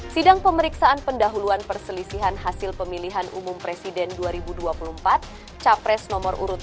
sidang pemeriksaan pendahuluan perselisihan hasil pemilihan umum presiden dua ribu dua puluh empat capres nomor urut tiga